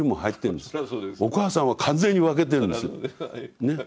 お母さんは完全に分けてるんですよ。